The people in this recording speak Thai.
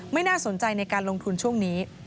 น่าสนใจในการลงทุนช่วงนี้